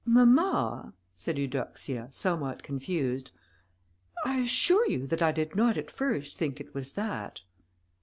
"Mamma," said Eudoxia, somewhat confused, "I assure you that I did not at first think it was that."